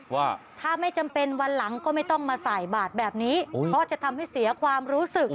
ว่าถ้าไม่จำเป็นวันหลังก็ไม่ต้องมาใส่บาทแบบนี้เพราะจะทำให้เสียความรู้สึก